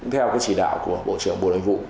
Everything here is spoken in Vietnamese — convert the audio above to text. theo chỉ đạo của bộ trưởng bộ đại vụ